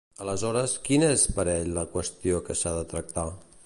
Aleshores, quina és per ell la qüestió que s'ha de tractar?